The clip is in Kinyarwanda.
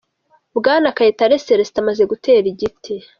Bwana Kayitare Celestin, amaze gutera igiti.